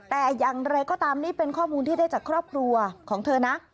แต่อย่างไรก็ตามนี่เป็นข้อมูลที่ได้จากครอบครัวของเธอนะ